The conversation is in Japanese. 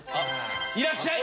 いらっしゃい！